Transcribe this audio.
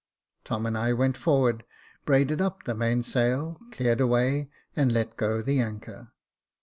Tom and I went forward, brailed up the mainsail, cleared away, and let go the anchor.